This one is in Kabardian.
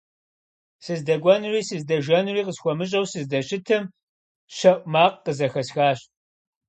СыздэкӀуэнури сыздэжэнури къысхуэмыщӀэу сыздэщытым, щэӀу макъ къызэхэсхащ.